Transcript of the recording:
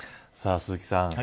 鈴木さん。